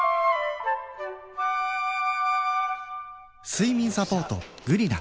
睡眠サポート「グリナ」